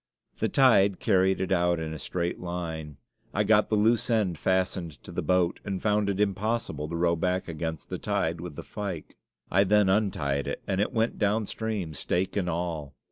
The tide carried it out in a straight line. I got the loose end fastened to the boat, and found it impossible to row back against the tide with the fyke. I then untied it, and it went downstream, stake and all.